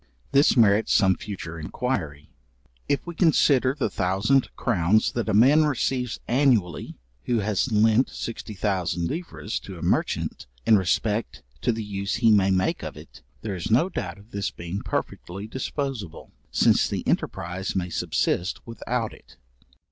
This merits some future inquiry. If we consider the thousand crowns that a man receives annually, who has lent 60,000 livres, to a merchant, in respect to the use he may make of it, there is no doubt of this being perfectly disposable, since the enterprize may subsist without it.